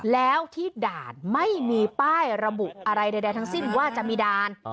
แล้วที่ด่านไม่มีป้ายระบุอะไรใดทั้งสิ้นว่าจะมีด่าน